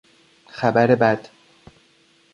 خبر بد